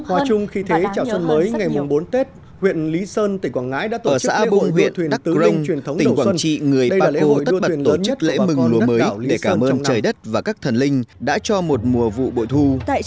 hòa chung khi thế chào xuân mới ngày bốn tết huyện lý sơn tỉnh quảng ngãi đã tổ chức lễ mừng lúa mới tỉnh quảng trị người bà cô tất bật tổ chức lễ mừng lúa mới để cảm ơn trời đất và các thần linh đã cho một mùa vụ bội thu